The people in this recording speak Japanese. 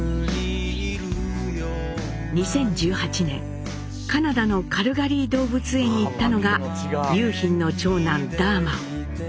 ２０１８年カナダのカルガリー動物園に行ったのが雄浜の長男・大毛。